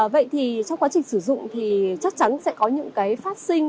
vậy thì trong quá trình sử dụng thì chắc chắn sẽ có những cái phát sinh